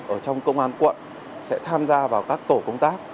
ở trong công an quận sẽ tham gia vào các tổ công tác